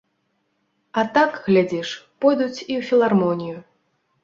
А так, глядзіш, пойдуць і ў філармонію.